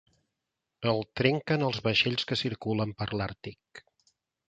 El trenquen els vaixells que circulen per l'àrtic.